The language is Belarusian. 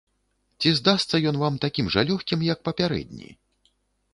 Ці здасца ён вам такім жа лёгкім, як папярэдні?